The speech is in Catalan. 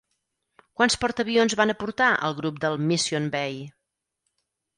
Quants portaavions van aportar el grup del "Mission Bay"?